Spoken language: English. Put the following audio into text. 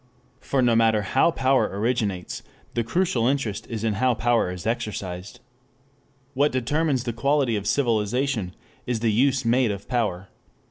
For no matter how power originates, the crucial interest is in how power is exercised. What determines the quality of civilization is the use made of power.